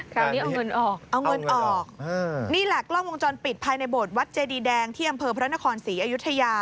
คราวนี้เอาเงินออกเอาเงินออกนี่แหละกล้องวงจรปิดภายในโบสถวัดเจดีแดงที่อำเภอพระนครศรีอยุธยา